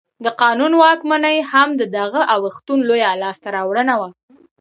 د قانون واکمني هم د دغه اوښتون لویه لاسته راوړنه وه.